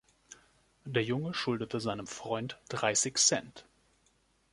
Der Junge schuldete seinem Freund dreißig Cent.